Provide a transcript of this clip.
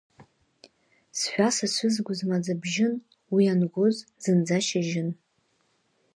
Сшәа сацәызгоз маӡа бжьын, уи ангоз зынӡа шьыжьын.